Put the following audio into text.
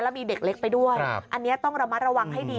มีเด็กเล็กไปด้วยอันนี้ต้องระมัดระวังให้ดี